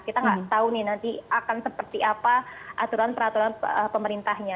kita nggak tahu nih nanti akan seperti apa aturan peraturan pemerintahnya